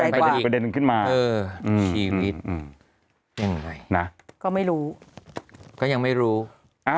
พี่บ้าผ่านทำไงนะ